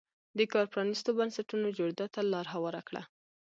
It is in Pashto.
دې کار پرانیستو بنسټونو جوړېدا ته لار هواره کړه.